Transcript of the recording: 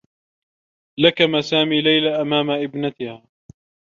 لكم سامي ليلى أمام ابنتها.